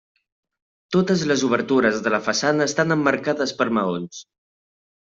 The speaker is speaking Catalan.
Totes les obertures de la façana estan emmarcades per maons.